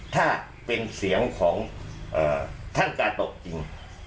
ถ้าเป็นเสียงของท่านกาโตะจริง